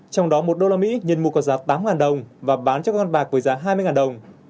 trong đó một đô la mỹ nhân mục có giá tám đồng và bán cho các con bạc với giá hai mươi đồng